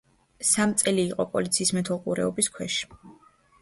სამ წელი იყო პოლიციის მეთვალყურეობის ქვეშ.